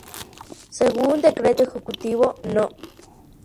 Según Decreto Ejecutivo No.